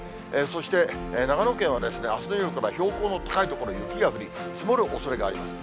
そして、長野県はあすの夜から標高の高い所に雪が降り、積もるおそれがあります。